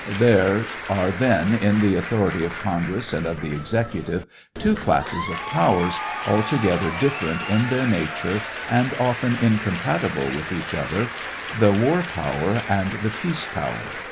There are then, in the authority of Congress and of the Executive, two classes of powers, altogether different in their nature and often incompatible with each other, the war power and the peace power.